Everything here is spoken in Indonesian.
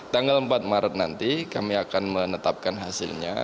tanggal empat maret nanti kami akan menetapkan hasilnya